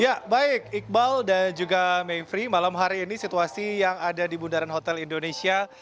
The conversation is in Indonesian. ya baik iqbal dan juga mevri malam hari ini situasi yang ada di bundaran hotel indonesia